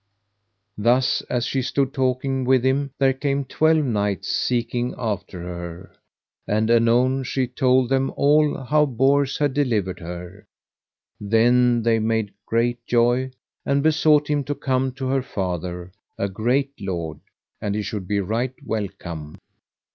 Thus as she stood talking with him there came twelve knights seeking after her, and anon she told them all how Bors had delivered her; then they made great joy, and besought him to come to her father, a great lord, and he should be right welcome.